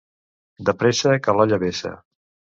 De pressa, que l'olla vessa.